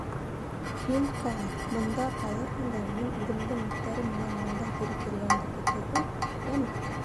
Һин, Каа, бында ҡалырһың да мин «үҙемдең» эттәрем менән бында кире килгәнде көтөрһөң, йәме?